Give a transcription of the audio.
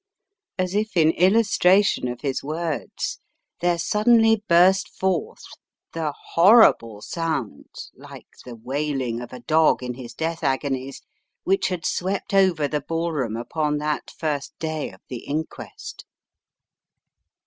As if in illustration of his words, there suddenly burst forth the horrible sound, like the wailing of a dog in his death agonies, which had swept over the ballroom upon that first day of the inquest.